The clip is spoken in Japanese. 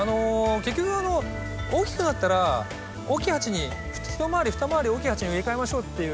結局大きくなったら大きい鉢に一回り二回り大きい鉢に植え替えましょうっていう。